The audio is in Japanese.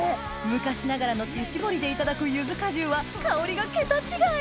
昔ながらの手搾りでいただくゆず果汁は香りが桁違い！